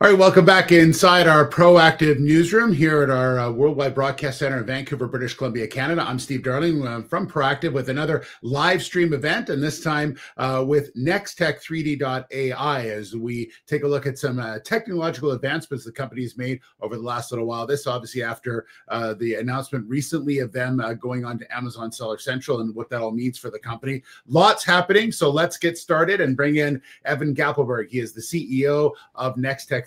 All right, welcome back inside our Proactive newsroom here at our Worldwide Broadcast Center in Vancouver, British Columbia, Canada. I'm Steve Darling from Proactive with another live stream event, and this time with Nextech3D.ai as we take a look at some technological advancements the company has made over the last little while. This obviously after the announcement recently of them going on to Amazon Seller Central and what that all means for the company. Lots happening, so let's get started and bring in Evan Gappelberg. He is the CEO of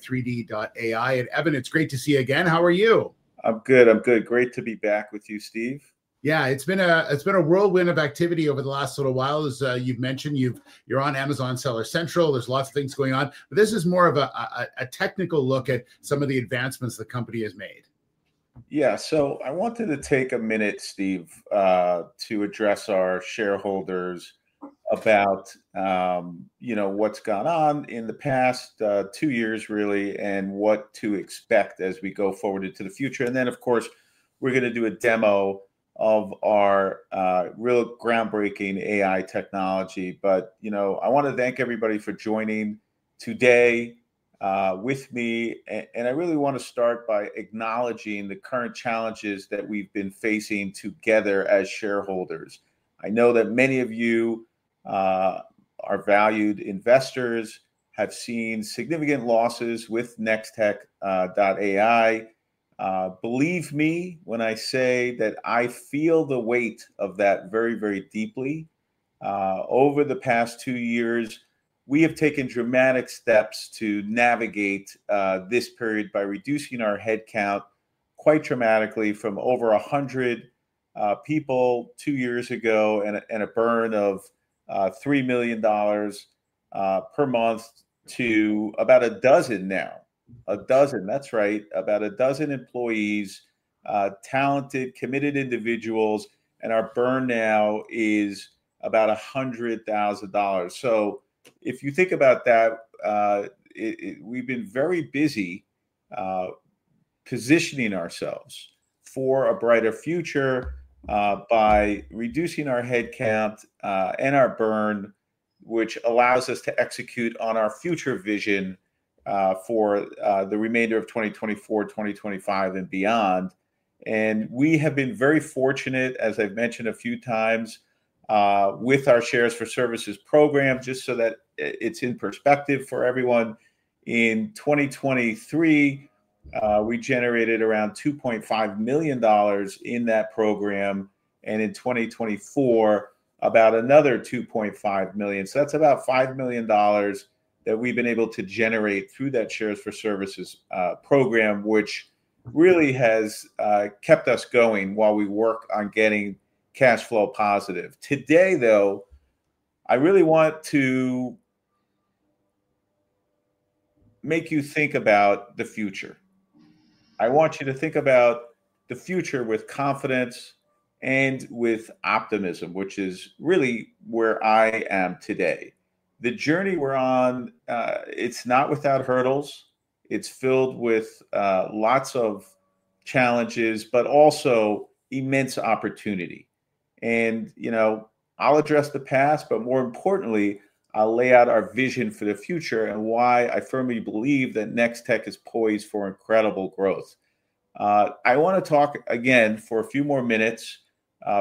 Nextech3D.ai. And Evan, it's great to see you again. How are you? I'm good. I'm good. Great to be back with you, Steve. Yeah, it's been a whirlwind of activity over the last little while, as you've mentioned. You're on Amazon Seller Central. There's lots of things going on. But this is more of a technical look at some of the advancements the company has made. Yeah, so I wanted to take a minute, Steve, to address our shareholders about what's gone on in the past two years, really, and what to expect as we go forward into the future, and then, of course, we're going to do a demo of our real groundbreaking AI technology, but I want to thank everybody for joining today with me, and I really want to start by acknowledging the current challenges that we've been facing together as shareholders. I know that many of you are valued investors, have seen significant losses with Nextech3D.ai. Believe me when I say that I feel the weight of that very, very deeply. Over the past two years, we have taken dramatic steps to navigate this period by reducing our headcount quite dramatically from over 100 people two years ago and a burn of 3 million dollars per month to about a dozen now. A dozen, that's right, about a dozen employees, talented, committed individuals, and our burn now is about 100,000 dollars, so if you think about that, we've been very busy positioning ourselves for a brighter future by reducing our headcount and our burn, which allows us to execute on our future vision for the remainder of 2024, 2025, and beyond, and we have been very fortunate, as I've mentioned a few times, with our shares for services program, just so that it's in perspective for everyone. In 2023, we generated around 2.5 million dollars in that program, and in 2024, about another 2.5 million, so that's about 5 million dollars that we've been able to generate through that shares for services program, which really has kept us going while we work on getting cash flow positive. Today, though, I really want to make you think about the future. I want you to think about the future with confidence and with optimism, which is really where I am today. The journey we're on, it's not without hurdles. It's filled with lots of challenges, but also immense opportunity. And I'll address the past, but more importantly, I'll lay out our vision for the future and why I firmly believe that Nextech is poised for incredible growth. I want to talk again for a few more minutes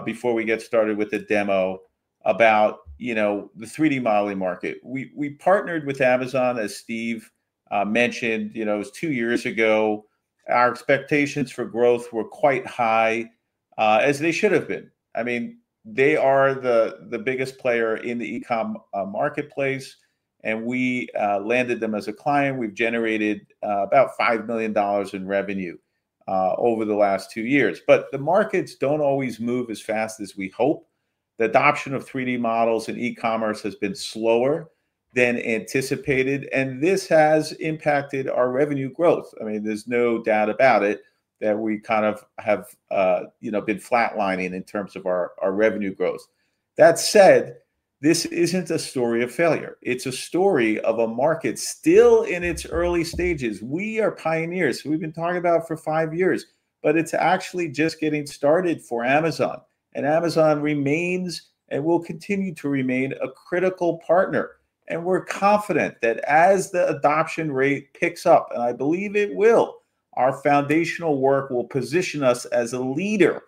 before we get started with the demo about the 3D modeling market. We partnered with Amazon, as Steve mentioned. It was two years ago. Our expectations for growth were quite high, as they should have been. I mean, they are the biggest player in the E-Com Marketplace. And we landed them as a client. We've generated about $5 million in revenue over the last two years. But the markets don't always move as fast as we hope. The adoption of 3D models in E-Commerce has been slower than anticipated. And this has impacted our revenue growth. I mean, there's no doubt about it that we kind of have been flatlining in terms of our revenue growth. That said, this isn't a story of failure. It's a story of a market still in its early stages. We are pioneers. We've been talking about it for five years. But it's actually just getting started for Amazon. And Amazon remains and will continue to remain a critical partner. And we're confident that as the adoption rate picks up, and I believe it will, our foundational work will position us as a leader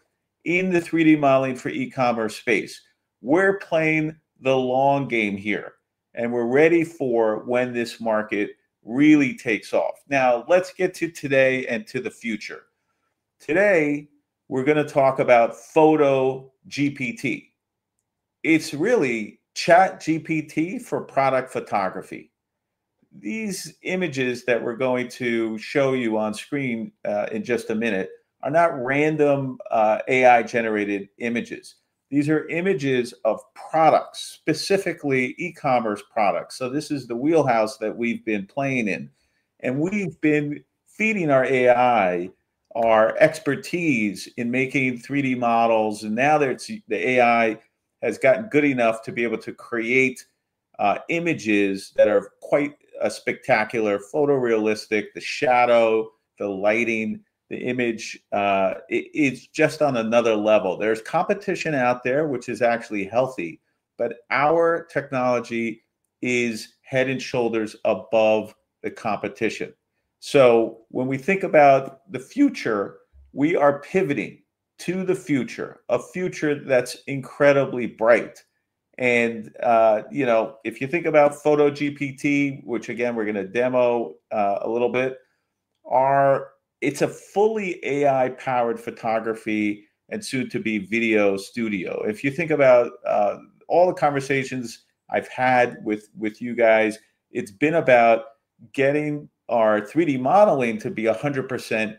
in the 3D modeling for E-Commerce space. We're playing the long game here. And we're ready for when this market really takes off. Now, let's get to today and to the future. Today, we're going to talk about FOTOgpt. It's really ChatGPT for product photography. These images that we're going to show you on screen in just a minute are not random AI-generated images. These are images of products, specifically E-Commerce products, so this is the wheelhouse that we've been playing in, and we've been feeding our AI our expertise in making 3D models, and now the AI has gotten good enough to be able to create images that are quite spectacular, photorealistic. The shadow, the lighting, the image, it's just on another level. There's competition out there, which is actually healthy, but our technology is head and shoulders above the competition, so when we think about the future, we are pivoting to the future, a future that's incredibly bright. And if you think about FOTOgpt, which, again, we're going to demo a little bit, it's a fully AI-powered photography and soon-to-be video studio. If you think about all the conversations I've had with you guys, it's been about getting our 3D modeling to be 100%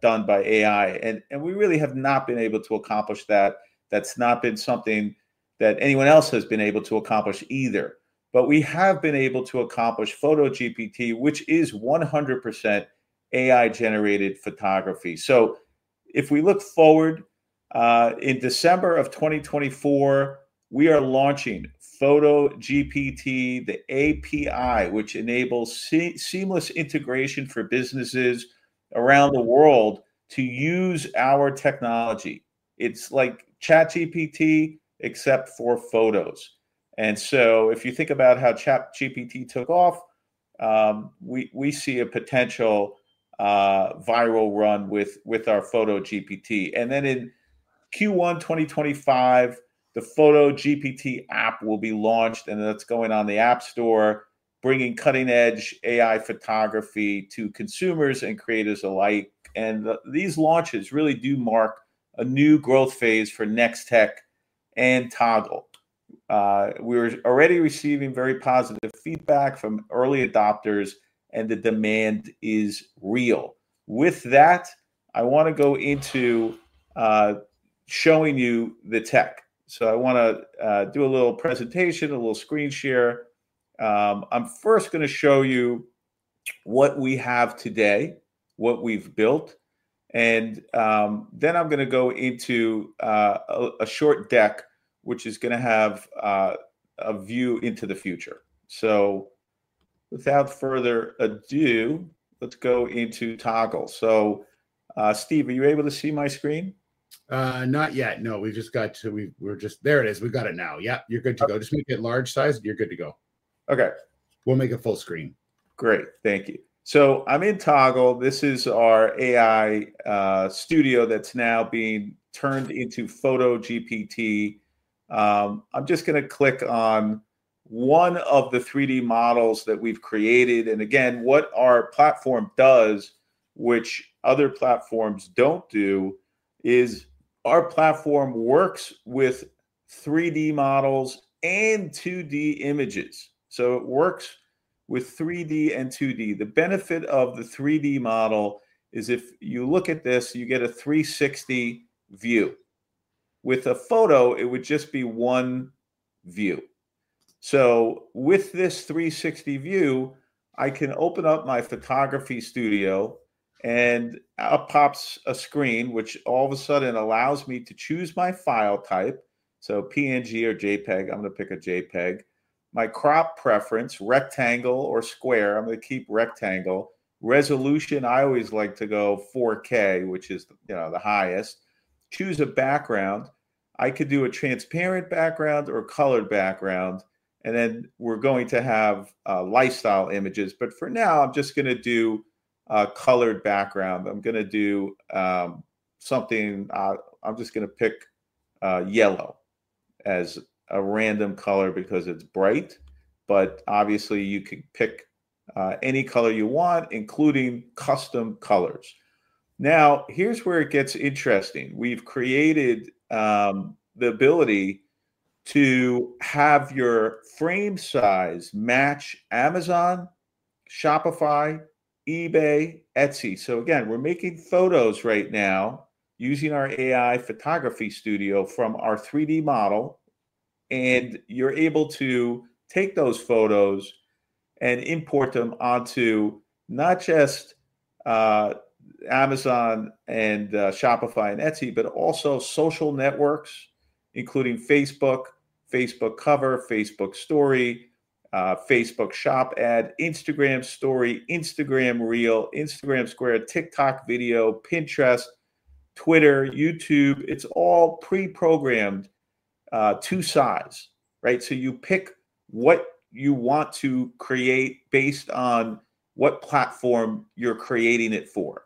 done by AI. And we really have not been able to accomplish that. That's not been something that anyone else has been able to accomplish either. But we have been able to accomplish FOTOgpt, which is 100% AI-generated photography. So if we look forward, in December of 2024, we are launching FOTOgpt, the API, which enables seamless integration for businesses around the world to use our technology. It's like ChatGPT, except for photos. And so if you think about how ChatGPT took off, we see a potential viral run with our FOTOgpt. And then in Q1 2025, the FOTOgpt app will be launched. That's going on the App Store, bringing cutting-edge AI photography to consumers and creators alike. These launches really do mark a new growth phase for Nextech and Toggle. We're already receiving very positive feedback from early adopters. The demand is real. With that, I want to go into showing you the tech. I want to do a little presentation, a little screen share. I'm first going to show you what we have today, what we've built. Then I'm going to go into a short deck, which is going to have a view into the future. Without further ado, let's go into Toggle. Steve, are you able to see my screen? Not yet. No, we just got to—there it is. We've got it now. Yeah, you're good to go. Just make it large size. You're good to go. OK. We'll make it full screen. Great. Thank you. So I'm in Toggle. This is our AI studio that's now being turned into FOTOgpt. I'm just going to click on one of the 3D models that we've created. And again, what our platform does, which other platforms don't do, is our platform works with 3D models and 2D images. So it works with 3D and 2D. The benefit of the 3D model is if you look at this, you get a 360 view. With a photo, it would just be one view. So with this 360 view, I can open up my photography studio. And it pops a screen, which all of a sudden allows me to choose my file type. So PNG or JPEG. I'm going to pick a JPEG. My crop preference, rectangle or square. I'm going to keep rectangle. Resolution, I always like to go 4K, which is the highest. Choose a background. I could do a transparent background or a colored background, and then we're going to have lifestyle images, but for now, I'm just going to do a colored background. I'm going to do something. I'm just going to pick yellow as a random color because it's bright, but obviously, you can pick any color you want, including custom colors. Now, here's where it gets interesting. We've created the ability to have your frame size match Amazon, Shopify, eBay, Etsy, so again, we're making photos right now using our AI photography studio from our 3D model, and you're able to take those photos and import them onto not just Amazon and Shopify and Etsy, but also social networks, including Facebook, Facebook cover, Facebook story, Facebook shop ad, Instagram story, Instagram Reel, Instagram square, TikTok video, Pinterest, Twitter, YouTube. It's all pre-programmed to size. So you pick what you want to create based on what platform you're creating it for.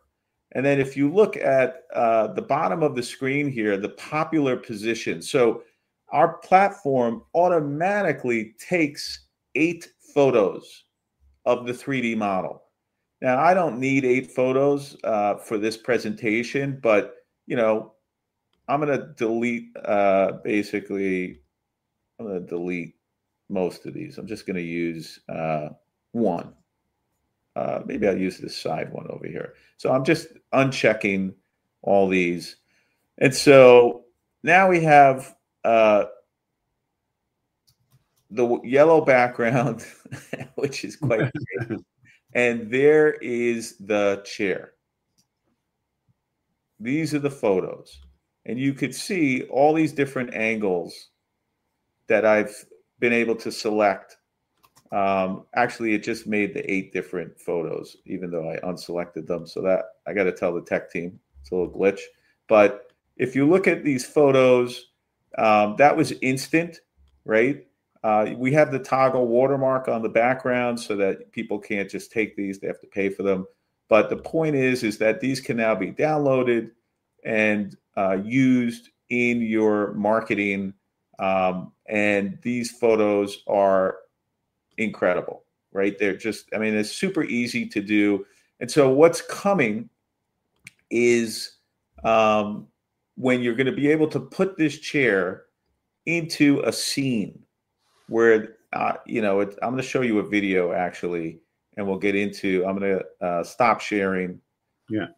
And then if you look at the bottom of the screen here, the popular position. So our platform automatically takes eight photos of the 3D model. Now, I don't need eight photos for this presentation. But I'm going to delete most of these. I'm just going to use one. Maybe I'll use this side one over here. So I'm just unchecking all these. And so now we have the yellow background, which is quite amazing. And there is the chair. These are the photos. And you could see all these different angles that I've been able to select. Actually, it just made the eight different photos, even though I unselected them. So I got to tell the tech team. It's a little glitch. But if you look at these photos, that was instant. We have the Toggle watermark on the background so that people can't just take these. They have to pay for them. But the point is that these can now be downloaded and used in your marketing. And these photos are incredible. I mean, it's super easy to do. And so what's coming is when you're going to be able to put this chair into a scene where I'm going to show you a video, actually. And we'll get into--I'm going to stop sharing. Yeah.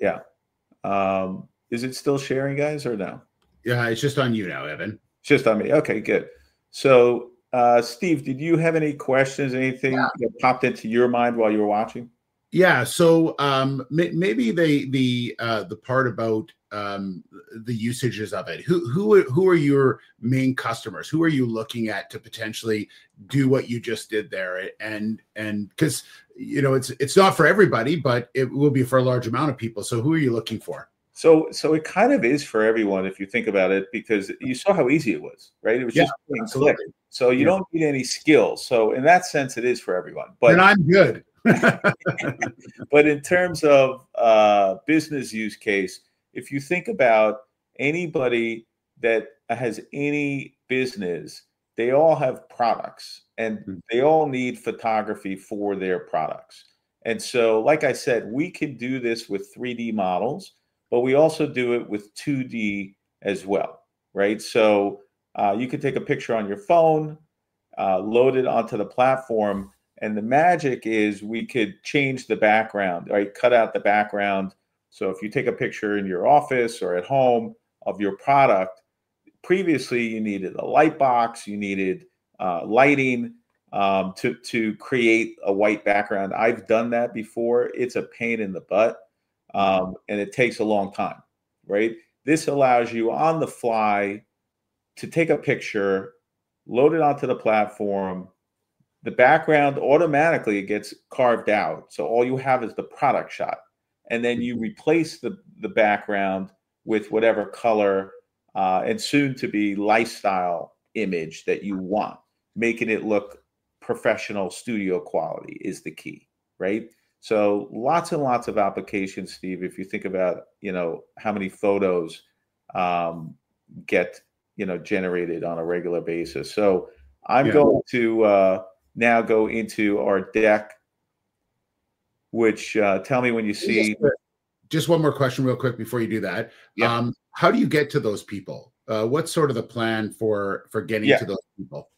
Yeah. Is it still sharing, guys, or no? Yeah, it's just on you now, Evan. It's just on me. OK, good. So Steve, did you have any questions, anything that popped into your mind while you were watching? Yeah. So maybe the part about the usages of it. Who are your main customers? Who are you looking at to potentially do what you just did there? Because it's not for everybody, but it will be for a large amount of people. So who are you looking for? So it kind of is for everyone, if you think about it, because you saw how easy it was. It was just click. So you don't need any skills. So in that sense, it is for everyone. I'm good. But in terms of business use case, if you think about anybody that has any business, they all have products. And they all need photography for their products. And so, like I said, we can do this with 3D models. But we also do it with 2D as well. So you could take a picture on your phone, load it onto the platform. And the magic is we could change the background, cut out the background. So if you take a picture in your office or at home of your product, previously, you needed a light box. You needed lighting to create a white background. I've done that before. It's a pain in the butt. And it takes a long time. This allows you on the fly to take a picture, load it onto the platform. The background automatically gets cut out. So all you have is the product shot. Then you replace the background with whatever color and soon-to-be lifestyle image that you want, making it look professional studio quality is the key. Lots and lots of applications, Steve, if you think about how many photos get generated on a regular basis. I'm going to now go into our deck, which, tell me when you see. Just one more question real quick before you do that. How do you get to those people? What's sort of the plan for getting to those people?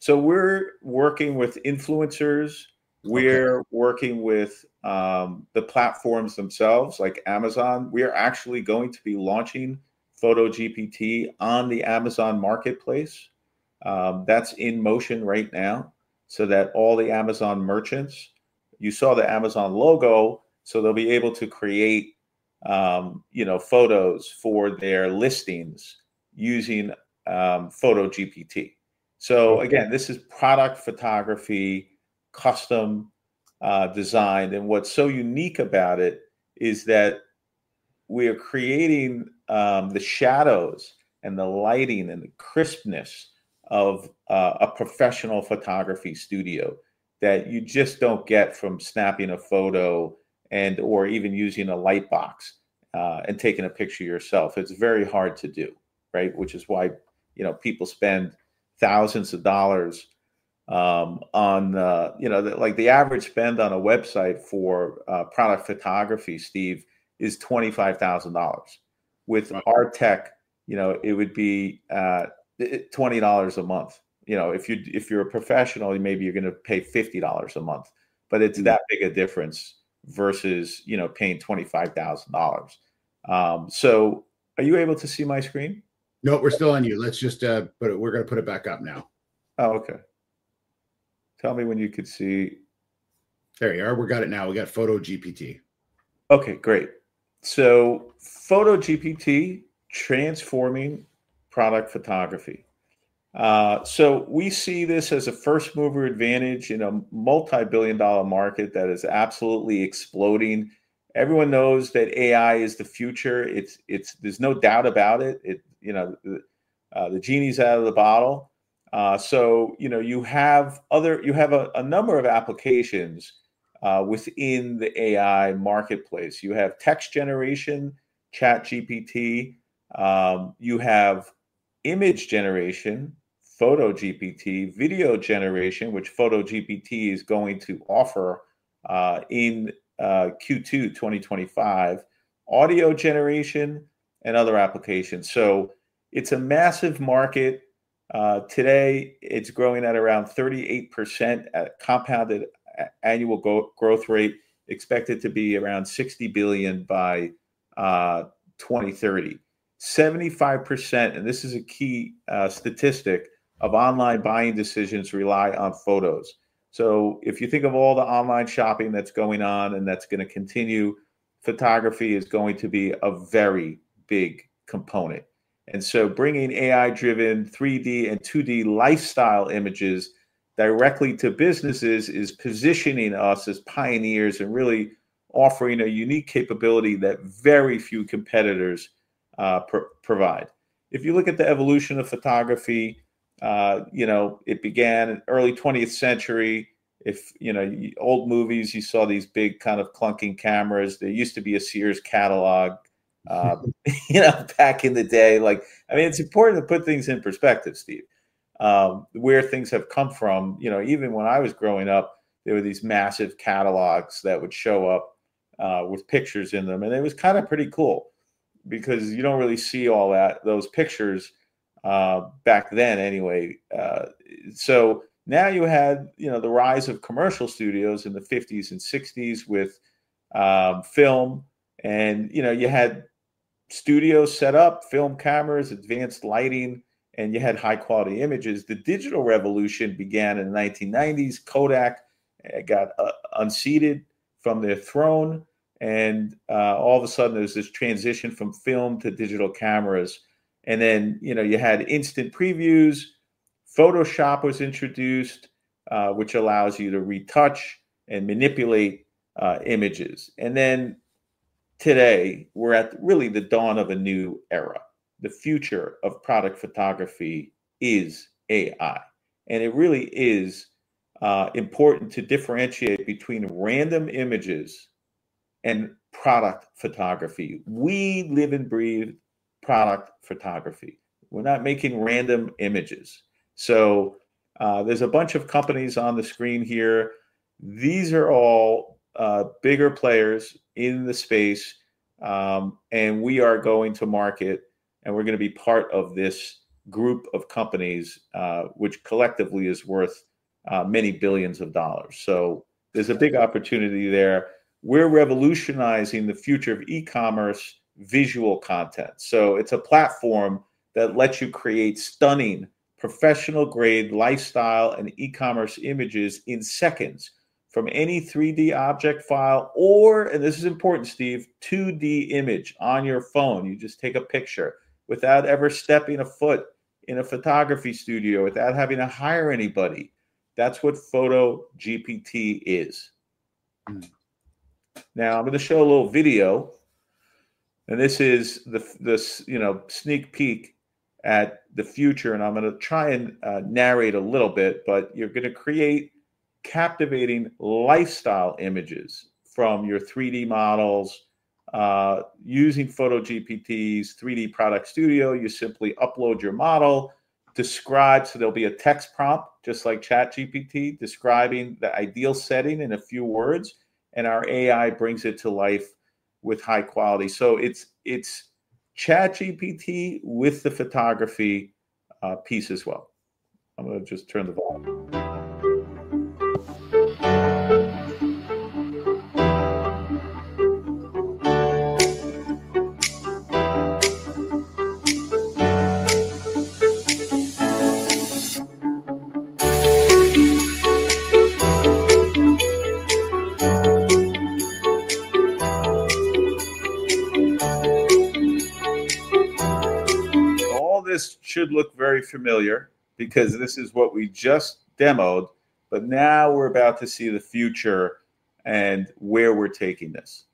So we're working with influencers. We're working with the platforms themselves, like Amazon. We are actually going to be launching FOTOgpt on the Amazon marketplace. That's in motion right now so that all the Amazon merchants, you saw the Amazon logo. So they'll be able to create photos for their listings using FOTOgpt. So again, this is product photography, custom design. And what's so unique about it is that we are creating the shadows and the lighting and the crispness of a professional photography studio that you just don't get from snapping a photo and/or even using a light box and taking a picture yourself. It's very hard to do, which is why people spend thousands of dollars. The average spend on a website for product photography, Steve, is $25,000. With our tech, it would be $20 a month. If you're a professional, maybe you're going to pay $50 a month. But it's that big a difference versus paying $25,000. So are you able to see my screen? No, we're still on you. We're going to put it back up now. Oh, OK. Tell me when you could see. There you are. We've got it now. We've got FOTOgpt. OK, great. So FOTOgpt transforming product photography. So we see this as a first-mover advantage in a multi-billion dollar market that is absolutely exploding. Everyone knows that AI is the future. There's no doubt about it. The genie's out of the bottle. So you have a number of applications within the AI marketplace. You have text generation, ChatGPT. You have image generation, FOTOgpt, video generation, which FOTOgpt is going to offer in Q2 2025, audio generation, and other applications. So it's a massive market. Today, it's growing at around 38% compounded annual growth rate, expected to be around $60 billion by 2030. 75%, and this is a key statistic, of online buying decisions rely on photos. So if you think of all the online shopping that's going on and that's going to continue, photography is going to be a very big component. And so bringing AI-driven 3D and 2D lifestyle images directly to businesses is positioning us as pioneers and really offering a unique capability that very few competitors provide. If you look at the evolution of photography, it began in the early 20th century. Old movies, you saw these big kind of clunking cameras. There used to be a Sears catalog back in the day. I mean, it's important to put things in perspective, Steve, where things have come from. Even when I was growing up, there were these massive catalogs that would show up with pictures in them. And it was kind of pretty cool because you don't really see all those pictures back then anyway. So now you had the rise of commercial studios in the 1950s and 1960s with film. And you had studios set up, film cameras, advanced lighting, and you had high-quality images. The digital revolution began in the 1990s. Kodak got unseated from their throne, and all of a sudden, there's this transition from film to digital cameras, and then you had instant previews. Photoshop was introduced, which allows you to retouch and manipulate images, and then today, we're at really the dawn of a new era. The future of product photography is AI, and it really is important to differentiate between random images and product photography. We live and breathe product photography. We're not making random images, so there's a bunch of companies on the screen here. These are all bigger players in the space, and we are going to market, and we're going to be part of this group of companies, which collectively is worth many billions of dollars, so there's a big opportunity there. We're revolutionizing the future of E-Commerce visual content. So it's a platform that lets you create stunning professional-grade lifestyle and E-Commerce images in seconds from any 3D object file or, and this is important, Steve, 2D image on your phone. You just take a picture without ever stepping a foot in a photography studio, without having to hire anybody. That's what FOTOgpt is. Now, I'm going to show a little video. And this is the sneak peek at the future. And I'm going to try and narrate a little bit. But you're going to create captivating lifestyle images from your 3D models. Using FOTOgpt's 3D product studio, you simply upload your model, describe. So there'll be a text prompt, just like ChatGPT, describing the ideal setting in a few words. And our AI brings it to life with high quality. So it's ChatGPT with the photography piece as well. I'm going to just turn the volume. All this should look very familiar because this is what we just demoed. But now we're about to see the future and where we're taking this.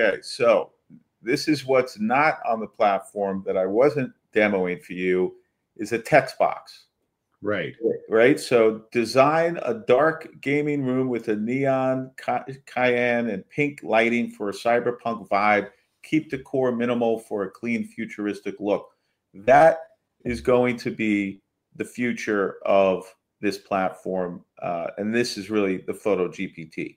OK, so this is what's not on the platform that I wasn't demoing for you is a text box. Right. Design a dark gaming room with a neon cyan and pink lighting for a cyberpunk vibe. Keep the decor minimal for a clean, futuristic look. That is going to be the future of this platform. And this is really the FOTOgpt.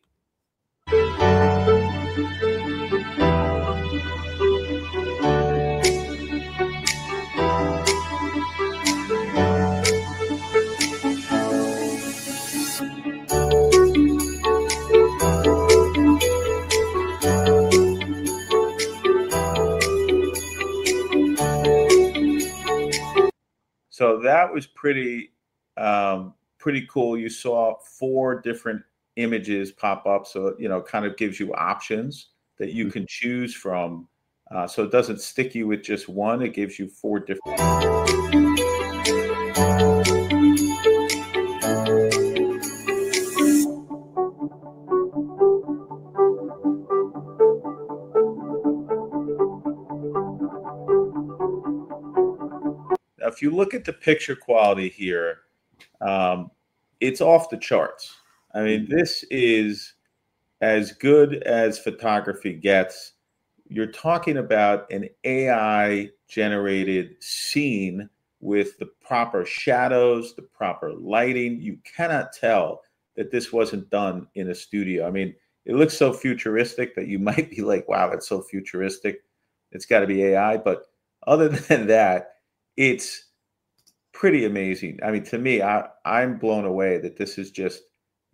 So that was pretty cool. You saw four different images pop up. So it kind of gives you options that you can choose from. So it doesn't stick you with just one. It gives you four different. Now, if you look at the picture quality here, it's off the charts. I mean, this is as good as photography gets. You're talking about an AI-generated scene with the proper shadows, the proper lighting. You cannot tell that this wasn't done in a studio. I mean, it looks so futuristic that you might be like, wow, that's so futuristic. It's got to be AI. But other than that, it's pretty amazing. I mean, to me, I'm blown away that this is just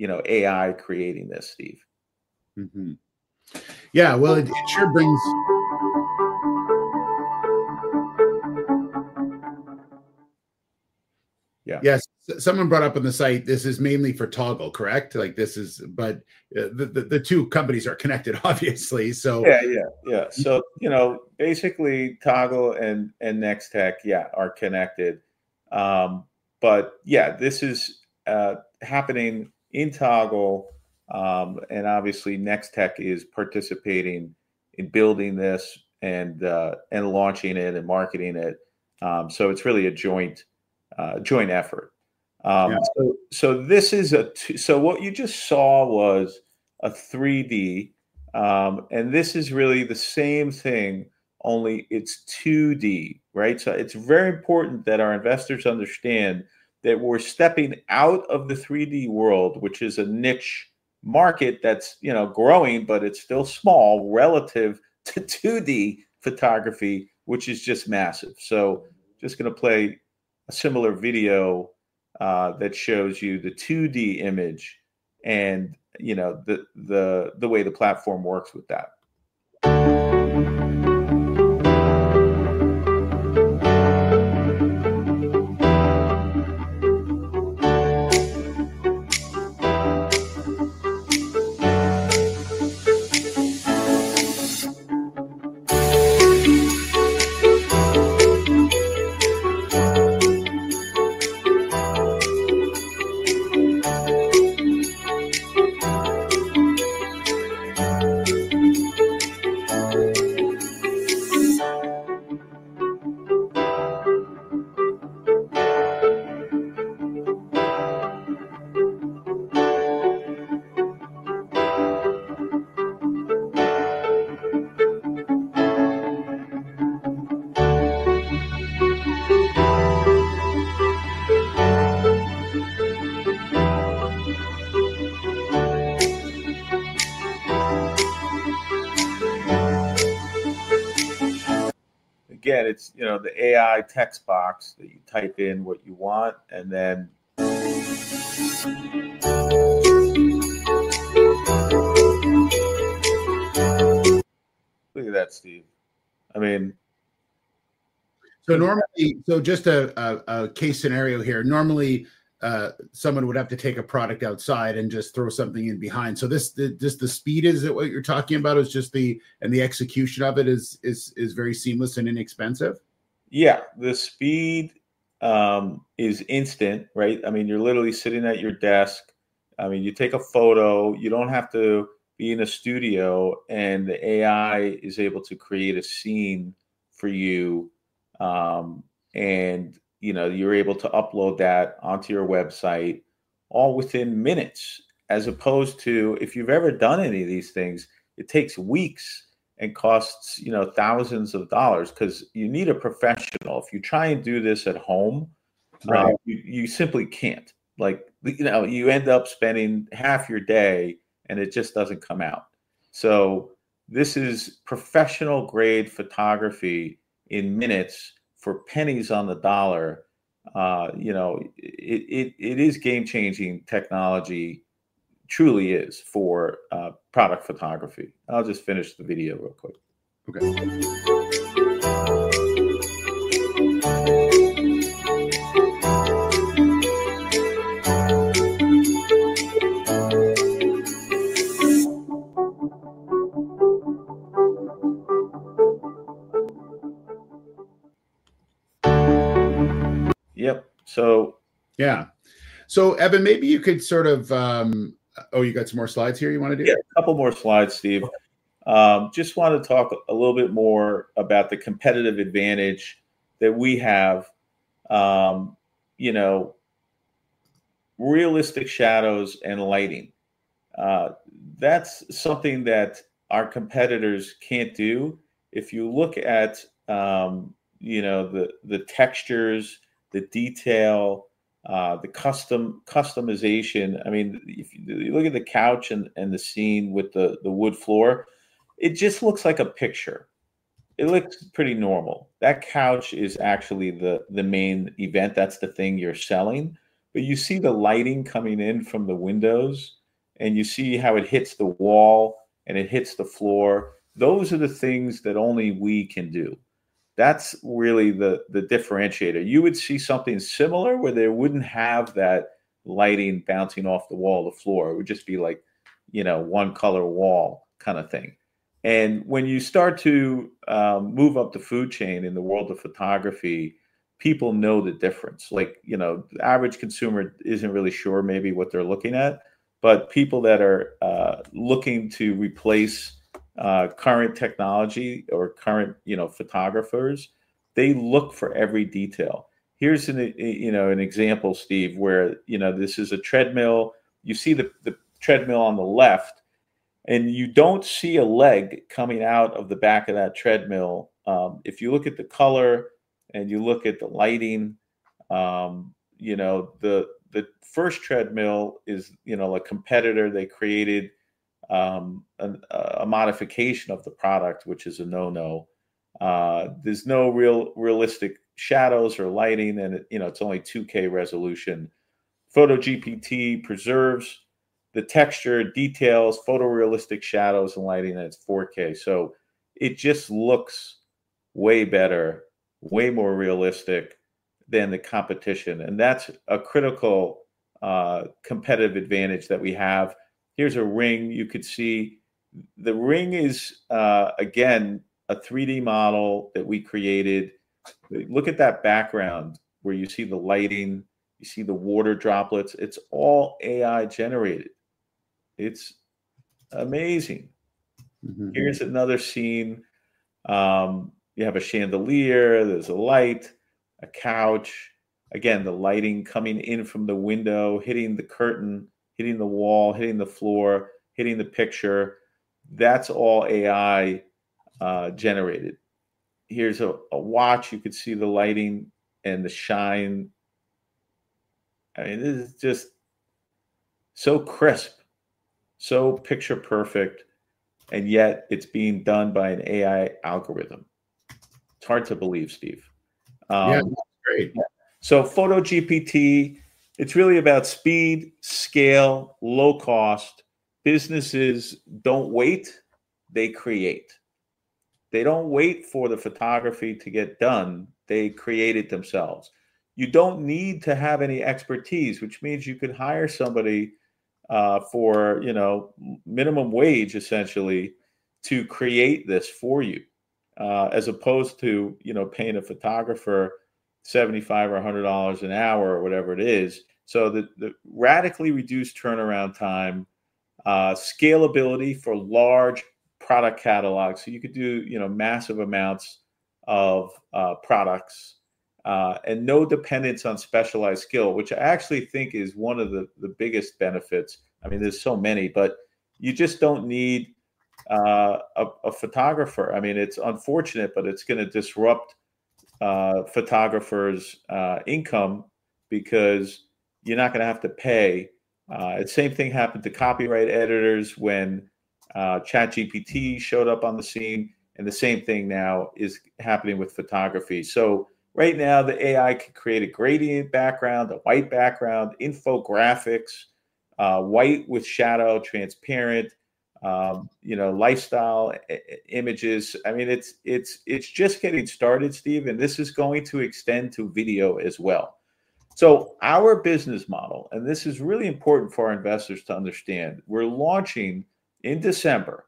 AI creating this, Steve. Yeah, well, it sure brings. Yeah. Yes, someone brought up on the site, this is mainly for Toggle, correct? But the two companies are connected, obviously. Yeah, yeah, yeah, so basically, Toggle and Nextech, yeah, are connected, but yeah, this is happening in Toggle, and obviously, Nextech is participating in building this and launching it and marketing it, so it's really a joint effort, so what you just saw was a 3D, and this is really the same thing, only it's 2D, so it's very important that our investors understand that we're stepping out of the 3D world, which is a niche market that's growing, but it's still small relative to 2D photography, which is just massive, so I'm just going to play a similar video that shows you the 2D image and the way the platform works with that. Again, it's the AI text box that you type in what you want, and then look at that, Steve. I mean. So just a case scenario here. Normally, someone would have to take a product outside and just throw something in behind. So just the speed, is it what you're talking about? And the execution of it is very seamless and inexpensive? Yeah, the speed is instant. I mean, you're literally sitting at your desk. I mean, you take a photo. You don't have to be in a studio, and the AI is able to create a scene for you, and you're able to upload that onto your website all within minutes, as opposed to if you've ever done any of these things, it takes weeks and costs thousands of dollars because you need a professional. If you try and do this at home, you simply can't. You end up spending half your day, and it just doesn't come out, so this is professional-grade photography in minutes for pennies on the dollar. It is game-changing technology, truly is, for product photography. I'll just finish the video real quick. OK. Yep. So. Yeah. So Evan, maybe you could sort of, oh, you got some more slides here you want to do? Yeah, a couple more slides, Steve. Just wanted to talk a little bit more about the competitive advantage that we have, realistic shadows and lighting. That's something that our competitors can't do. If you look at the textures, the detail, the customization, I mean, if you look at the couch and the scene with the wood floor, it just looks like a picture. It looks pretty normal. That couch is actually the main event. That's the thing you're selling. But you see the lighting coming in from the windows, and you see how it hits the wall, and it hits the floor. Those are the things that only we can do. That's really the differentiator. You would see something similar where they wouldn't have that lighting bouncing off the wall, the floor. It would just be like one-color wall kind of thing. And when you start to move up the food chain in the world of photography, people know the difference. The average consumer isn't really sure maybe what they're looking at. But people that are looking to replace current technology or current photographers, they look for every detail. Here's an example, Steve, where this is a treadmill. You see the treadmill on the left. And you don't see a leg coming out of the back of that treadmill. If you look at the color and you look at the lighting, the first treadmill is a competitor. They created a modification of the product, which is a no-no. There's no realistic shadows or lighting. And it's only 2K resolution. FOTOgpt preserves the texture, details, photorealistic shadows and lighting at 4K. So it just looks way better, way more realistic than the competition. And that's a critical competitive advantage that we have. Here's a ring. You could see the ring is, again, a 3D model that we created. Look at that background where you see the lighting. You see the water droplets. It's all AI-generated. It's amazing. Here's another scene. You have a chandelier. There's a light, a couch. Again, the lighting coming in from the window, hitting the curtain, hitting the wall, hitting the floor, hitting the picture. That's all AI-generated. Here's a watch. You could see the lighting and the shine. I mean, this is just so crisp, so picture-perfect. And yet, it's being done by an AI algorithm. It's hard to believe, Steve. Yeah, that's great. So FOTOgpt, it's really about speed, scale, low cost. Businesses don't wait. They create. They don't wait for the photography to get done. They create it themselves. You don't need to have any expertise, which means you could hire somebody for minimum wage, essentially, to create this for you, as opposed to paying a photographer $75 or $100 an hour or whatever it is. So the radically reduced turnaround time, scalability for large product catalogs. So you could do massive amounts of products and no dependence on specialized skill, which I actually think is one of the biggest benefits. I mean, there's so many. But you just don't need a photographer. I mean, it's unfortunate, but it's going to disrupt photographers' income because you're not going to have to pay. The same thing happened to copy editors when ChatGPT showed up on the scene. And the same thing now is happening with photography. So right now, the AI can create a gradient background, a white background, infographics, white with shadow, transparent, lifestyle images. I mean, it's just getting started, Steve. And this is going to extend to video as well. So our business model, and this is really important for our investors to understand, we're launching in December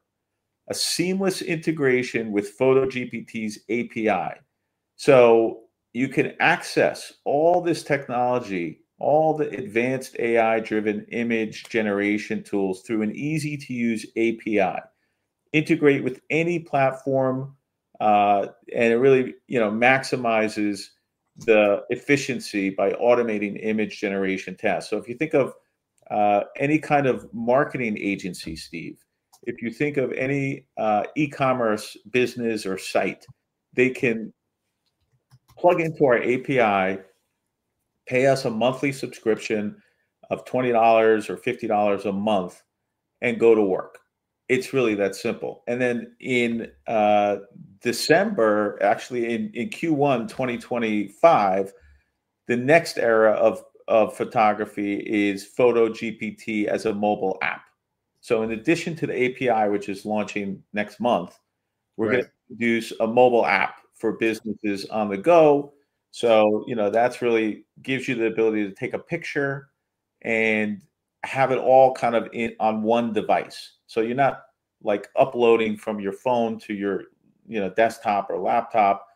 a seamless integration with FOTOgpt's API. So you can access all this technology, all the advanced AI-driven image generation tools through an easy-to-use API, integrate with any platform. And it really maximizes the efficiency by automating image generation tasks. So if you think of any kind of marketing agency, Steve, if you think of any E-Commerce business or site, they can plug into our API, pay us a monthly subscription of $20 or $50 a month, and go to work. It's really that simple. And then in December, actually in Q1 2025, the next era of photography is FOTOgpt as a mobile app. So in addition to the API, which is launching next month, we're going to introduce a mobile app for businesses on the go. So that really gives you the ability to take a picture and have it all kind of on one device. So you're not uploading from your phone to your desktop or laptop.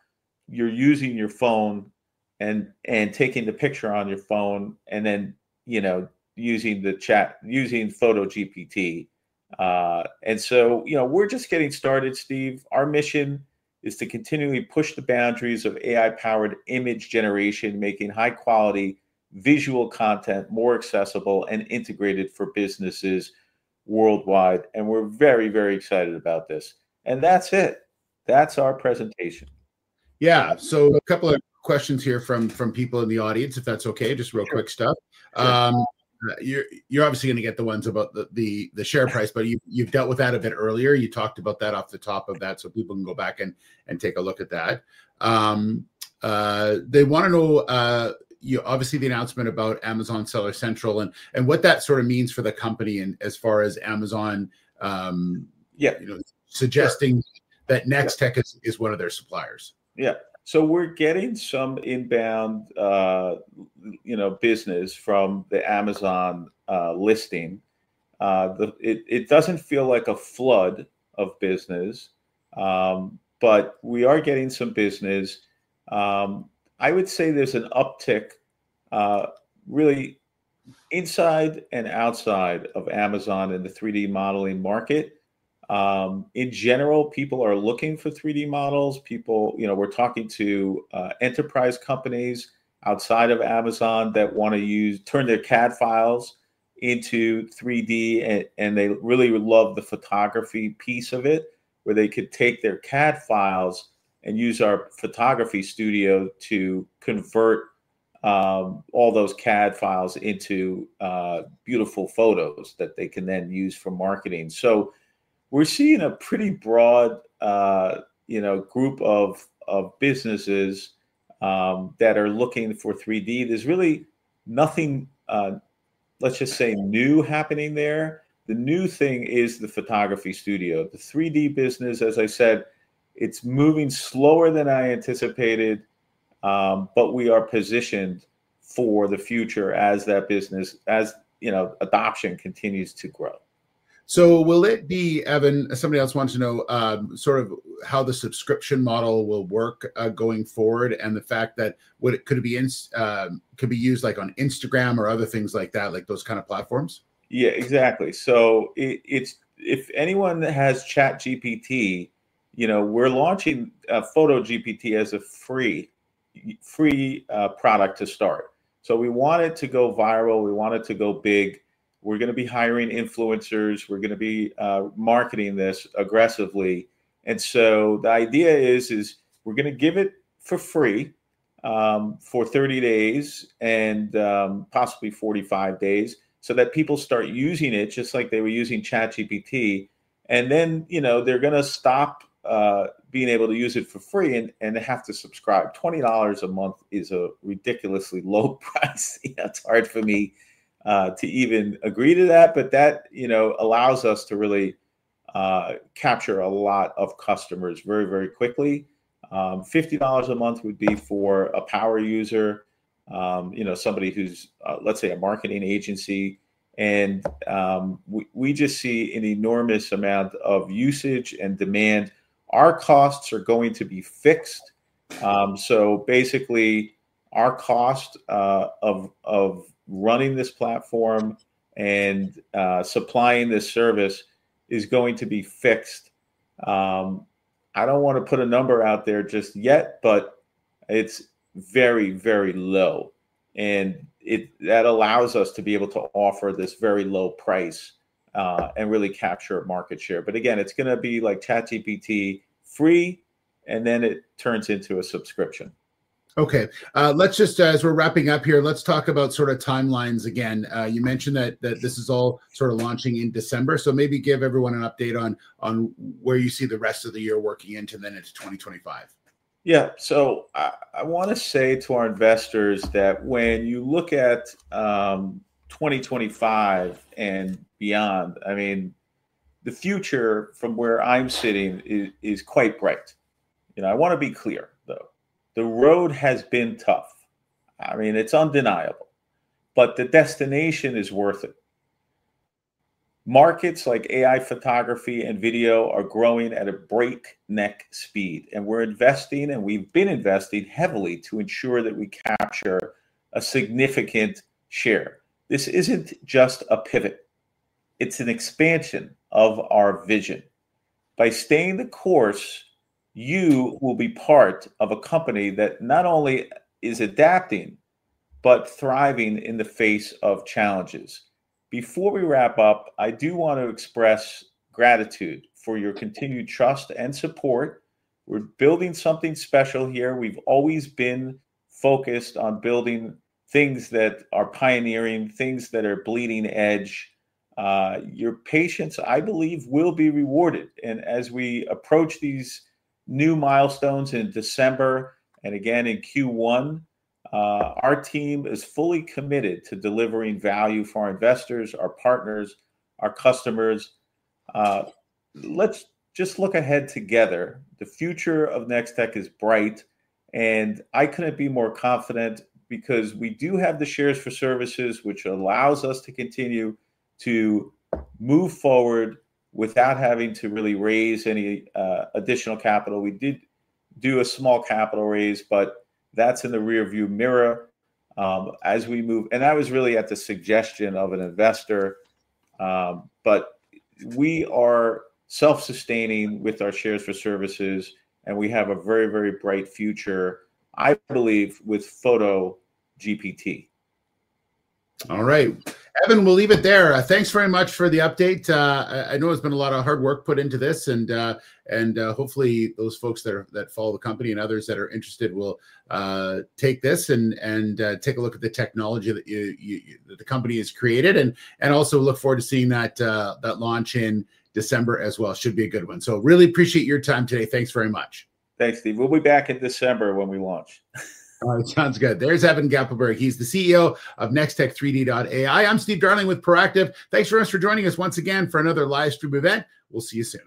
You're using your phone and taking the picture on your phone and then using FOTOgpt. And so we're just getting started, Steve. Our mission is to continually push the boundaries of AI-powered image generation, making high-quality visual content more accessible and integrated for businesses worldwide. And we're very, very excited about this. And that's it. That's our presentation. Yeah. So a couple of questions here from people in the audience, if that's OK, just real quick stuff. You're obviously going to get the ones about the share price. But you've dealt with that a bit earlier. You talked about that off the top of that so people can go back and take a look at that. They want to know, obviously, the announcement about Amazon Seller Central and what that sort of means for the company as far as Amazon suggesting that Nextech is one of their suppliers. Yeah. So we're getting some inbound business from the Amazon listing. It doesn't feel like a flood of business. But we are getting some business. I would say there's an uptick really inside and outside of Amazon in the 3D modeling market. In general, people are looking for 3D models. We're talking to enterprise companies outside of Amazon that want to turn their CAD files into 3D. And they really love the photography piece of it, where they could take their CAD files and use our photography studio to convert all those CAD files into beautiful photos that they can then use for marketing. So we're seeing a pretty broad group of businesses that are looking for 3D. There's really nothing, let's just say, new happening there. The new thing is the photography studio. The 3D business, as I said, it's moving slower than I anticipated. But we are positioned for the future as that business, as adoption continues to grow. So will it be, Evan, somebody else wants to know sort of how the subscription model will work going forward and the fact that it could be used like on Instagram or other things like that, like those kind of platforms? Yeah, exactly. So if anyone has ChatGPT, we're launching FOTOgpt as a free product to start. So we want it to go viral. We want it to go big. We're going to be hiring influencers. We're going to be marketing this aggressively. And so the idea is we're going to give it for free for 30 days and possibly 45 days so that people start using it just like they were using ChatGPT. And then they're going to stop being able to use it for free and have to subscribe. $20 a month is a ridiculously low price. It's hard for me to even agree to that. But that allows us to really capture a lot of customers very, very quickly. $50 a month would be for a power user, somebody who's, let's say, a marketing agency. And we just see an enormous amount of usage and demand. Our costs are going to be fixed, so basically, our cost of running this platform and supplying this service is going to be fixed. I don't want to put a number out there just yet, but it's very, very low, and that allows us to be able to offer this very low price and really capture market share, but again, it's going to be like ChatGPT free, and then it turns into a subscription. OK. Let's just, as we're wrapping up here, let's talk about sort of timelines again. You mentioned that this is all sort of launching in December, so maybe give everyone an update on where you see the rest of the year working into then into 2025. Yeah, so I want to say to our investors that when you look at 2025 and beyond, I mean, the future from where I'm sitting is quite bright. I want to be clear, though. The road has been tough. I mean, it's undeniable. But the destination is worth it. Markets like AI photography and video are growing at a breakneck speed. And we're investing, and we've been investing heavily to ensure that we capture a significant share. This isn't just a pivot. It's an expansion of our vision. By staying the course, you will be part of a company that not only is adapting but thriving in the face of challenges. Before we wrap up, I do want to express gratitude for your continued trust and support. We're building something special here. We've always been focused on building things that are pioneering, things that are bleeding edge. Your patience, I believe, will be rewarded. As we approach these new milestones in December and again in Q1, our team is fully committed to delivering value for our investors, our partners, our customers. Let's just look ahead together. The future of Nextech is bright, and I couldn't be more confident because we do have the shares for services, which allows us to continue to move forward without having to really raise any additional capital. We did do a small capital raise, but that's in the rearview mirror as we move, and that was really at the suggestion of an investor, but we are self-sustaining with our shares for services, and we have a very, very bright future, I believe, with FOTOgpt. All right. Evan, we'll leave it there. Thanks very much for the update. I know it's been a lot of hard work put into this. And hopefully, those folks that follow the company and others that are interested will take this and take a look at the technology that the company has created and also look forward to seeing that launch in December as well. It should be a good one. So really appreciate your time today. Thanks very much. Thanks, Steve. We'll be back in December when we launch. All right. Sounds good. There's Evan Gappelberg. He's the CEO of Nextech3D.ai. I'm Steve Darling with Proactive. Thanks for joining us once again for another livestream event. We'll see you soon.